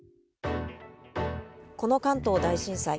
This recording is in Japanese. この関東大震災。